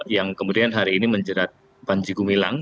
yang kemudian hari ini menjerat panjegu milang